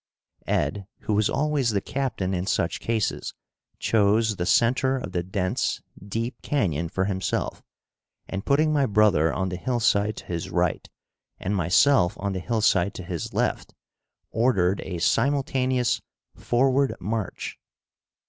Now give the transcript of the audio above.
Ed, who was always the captain in such cases, chose the center of the dense, deep canyon for himself, and, putting my brother on the hillside to his right and myself on the hillside to his left, ordered a simultaneous "Forward march."